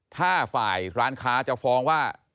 ถ้าฝ่ายร้านค้าจะฟ้องว่า